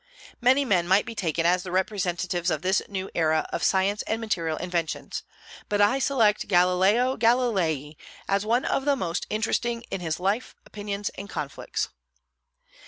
Many men might be taken as the representatives of this new era of science and material inventions, but I select Galileo Galilei as one of the most interesting in his life, opinions, and conflicts.